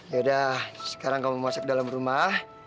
yaudah sekarang kamu masuk ke dalam rumah